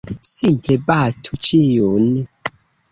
Simple batu ĉiun!